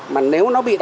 mà nếu nó bị tái chế